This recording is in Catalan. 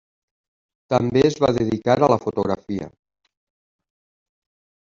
També es va dedicar a la fotografia.